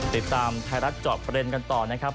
ติดตามไทยรัฐเจาะประเด็นกันต่อนะครับ